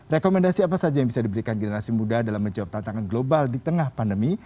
rekomendasi apa saja yang bisa diberikan generasi muda dalam menjawab tantangan global di tengah pandemi